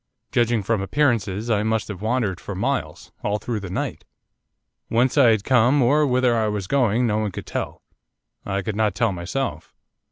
Judging from appearances I must have wandered for miles, all through the night. Whence I had come, or whither I was going, none could tell, I could not tell myself.